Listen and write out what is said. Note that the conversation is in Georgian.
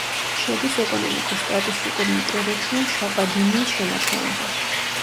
შედის ეკონომიკურ-სტატისტიკურ მიკრორეგიონ შაპადინიის შემადგენლობაში.